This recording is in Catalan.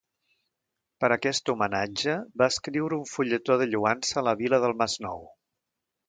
Per aquest homenatge va escriure un fulletó de lloança a la vila del Masnou.